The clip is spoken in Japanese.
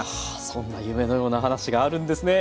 そんな夢のような話があるんですね！